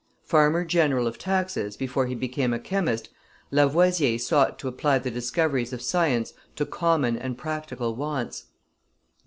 Farmer general (of taxes) before he became a chemist, Lavoisier sought to apply the discoveries of science to common and practical wants.